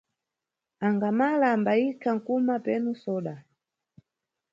Angamala ambayikha nkhuma penu soda.